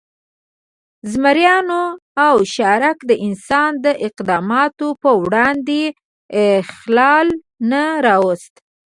زمریانو او شارک د انسان د اقداماتو پر وړاندې اختلال نه راوست.